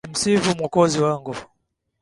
Nimsifu Mwokozi wangu.